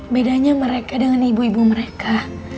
bedanya mereka dengan ibu ibu mereka